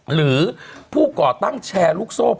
หรือผู้ก่อตั้งแชร์ลูกโซ่